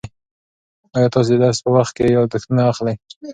آیا تاسو د درس په وخت کې یادښتونه اخلئ؟